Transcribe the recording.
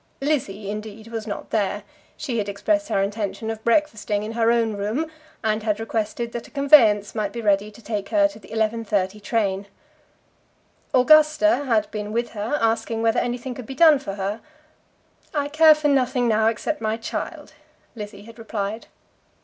Lizzie, indeed, was not there. She had expressed her intention of breakfasting in her own room, and had requested that a conveyance might be ready to take her to the 11.30 train. Augusta had been with her, asking whether anything could be done for her. "I care for nothing now, except my child," Lizzie had replied.